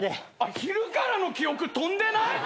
昼からの記憶飛んでない！？